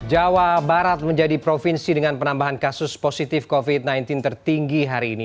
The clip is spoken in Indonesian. jawa barat menjadi provinsi dengan penambahan kasus positif covid sembilan belas tertinggi hari ini